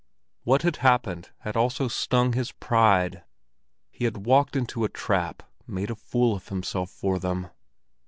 What had happened had also stung his pride; he had walked into a trap, made a fool of himself for them.